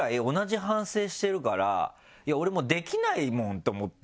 俺もうできないもんと思って。